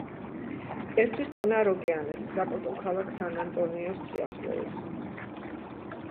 ერთვის წყნარ ოკეანეს, საპორტო ქალაქ სან-ანტონიოს სიახლოვეს.